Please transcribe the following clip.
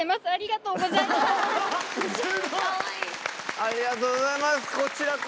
ありがとうございます！